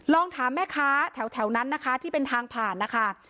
ลองถามแม่ค้าแถวนั้นนะคะที่เป็นทางผ่านนะคะ